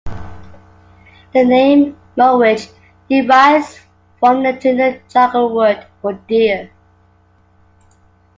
The name "Mowich" derives from the Chinook jargon word for deer.